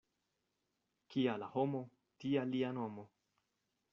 Kia la homo, tia lia nomo.